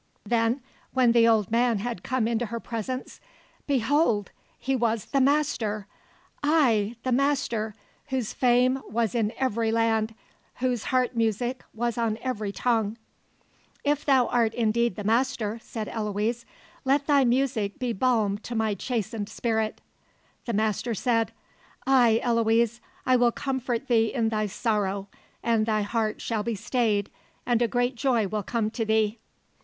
Then, when the old man had come into her presence, behold! he was the Master, ay, the Master whose fame was in every land, whose heart music was on every tongue. "If thou art indeed the Master," said Eloise, "let thy music be balm to my chastened spirit." The Master said: "Ay, Eloise, I will comfort thee in thy sorrow, and thy heart shall be stayed, and a great joy will come to thee."